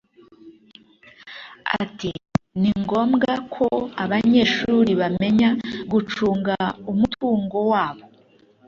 Ati "Ni ngombwa ko abanyeshuri bamenya gucunga umutungo wabo